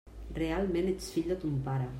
Realment ets fill de ton pare.